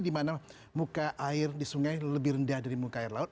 di mana muka air di sungai lebih rendah dari muka air laut